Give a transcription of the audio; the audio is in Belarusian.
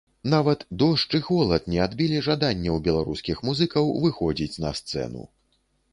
Нават дождж і холад не адбілі жадання ў беларускіх музыкаў выходзіць на сцэну.